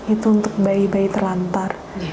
itu untuk bayi bayi terlantar